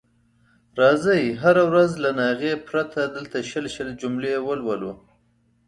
راځئ هره ورځ له ناغې پرته دلته شل شل جملې ولولو.